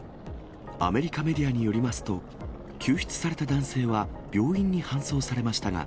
アメリカメディアによりますと、救出された男性は病院に搬送されましたが、